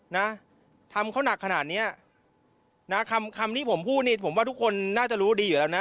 นะทำเขาหนักขนาดเนี้ยนะคำคำที่ผมพูดนี่ผมว่าทุกคนน่าจะรู้ดีอยู่แล้วนะ